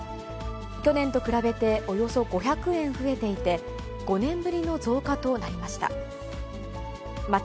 去年と比べて、およそ５００円増えていて、５年ぶりの増加となりました。